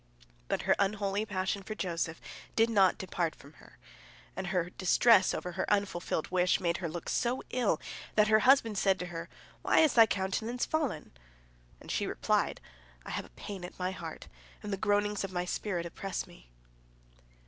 But her unholy passion for Joseph did not depart from her, and her distress over her unfulfilled wish made her look so ill that her husband said to her, "Why is thy countenance fallen?" And she replied, "I have a pain at my heart, and the groanings of my spirit oppress me."